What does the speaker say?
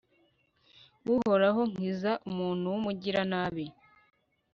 uhoraho, nkiza umuntu w'umugiranabi